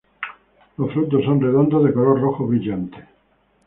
Los frutos son redondos de color rojo brillante.